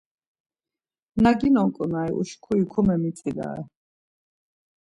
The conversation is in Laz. Na ginon ǩonari uşkuri komemitzilare.